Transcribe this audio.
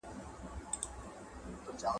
پلار به مي د مجلو راوړلو ته لېږلم.